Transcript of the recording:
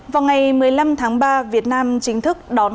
vào ngày một mươi năm tháng ba việt nam chính thức đón